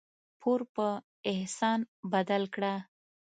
پور په احسان بدل کړه.